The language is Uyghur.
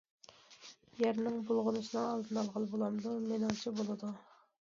يەرنىڭ بۇلغىنىشىنىڭ ئالدىنى ئالغىلى بولامدۇ؟ مېنىڭچە بولىدۇ.